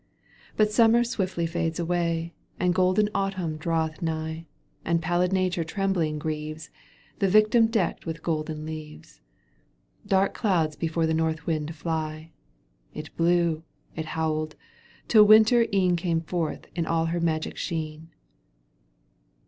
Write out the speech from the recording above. But Summer swiftly fades away And golden Autumn draweth nigh, And pallid nature trembling grieves, A victim decked with golden leaves ; Dark clouds before the north wind fly ; It blew : it howled : tiU winter e'en Came forth in all her magic sheen.